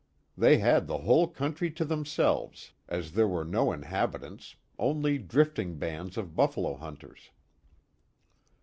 They had the whole country to themselves, as there were no inhabitants only drifting bands of buffalo hunters.